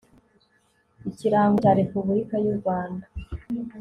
ikirango cya repubulika y u rwanda